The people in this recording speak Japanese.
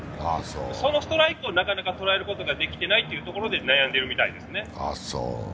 そのストライクをなかなか捉えることができていないというところで悩んでるみたいですね。